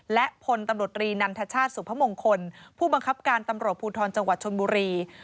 และพลตำรวจรีนันทชาติสุพมงคลผู้บังคับการตำรวจภูทรจังหวัดชนบุรี